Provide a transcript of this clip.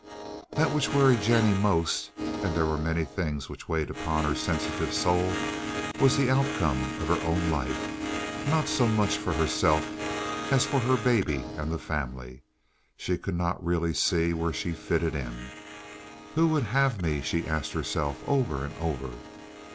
That which worried Jennie most, and there were many things which weighed upon her sensitive soul, was the outcome of her own life—not so much for herself as for her baby and the family. She could not really see where she fitted in. "Who would have me?" she asked herself over and over.